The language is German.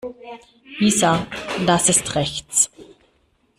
Isa, das ist rechts.